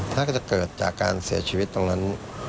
ถ้าก็จะเกิดจากการเสียชีวิตตรงนั้น